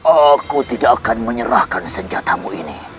aku tidak akan menyerahkan senjatamu ini